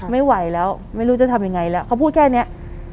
ไม่ไหวแล้วไม่รู้จะทำยังไงแล้วเขาพูดแค่นี้